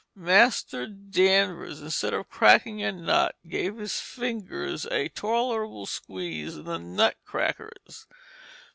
Master Danvers instead of cracking a nut gave his fingers a tolerable squeeze in the nut crackers.